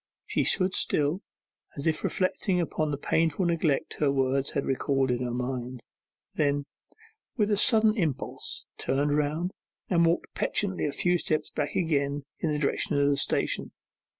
She stood still, as if reflecting upon the painful neglect her words had recalled to her mind; then, with a sudden impulse, turned round, and walked petulantly a few steps back again in the direction of the station.